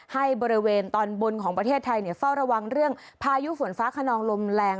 ให้บริเวณตอนบนของประเทศไทยเฝ้าระวังเรื่องพายุฝนฟ้าขนองลมแรง